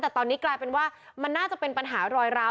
แต่ตอนนี้กลายเป็นว่ามันน่าจะเป็นปัญหารอยร้าว